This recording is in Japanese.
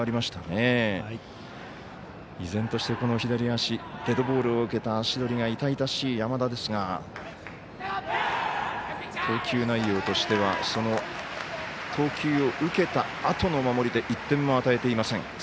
依然として左足デッドボールを受けた足取りが痛々しい山田ですが投球内容としてはその投球を受けたあとの守りで１点も与えていません。